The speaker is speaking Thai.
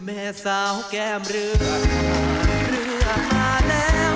แม่สาวแก้มเรือเลือกมาแล้ว